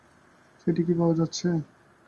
সেটি কি পাওয়া যাচ্ছে?